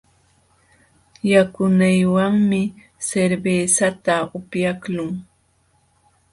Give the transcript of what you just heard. Yakunaywanmi cervezata upyaqlun.